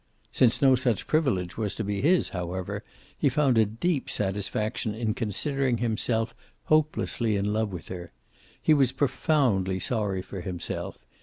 Since no such privilege was to be his, however, he found a deep satisfaction in considering himself hopelessly in love with her. He was profoundly sorry for himself.